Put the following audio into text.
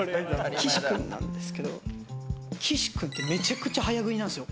岸くんなんですけど、めちゃくちゃ早食いなんですよ。